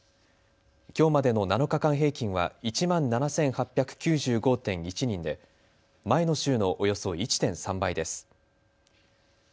きょうまでの７日間平均は１万７８９５．１人で前の週のおよそ１．３倍です。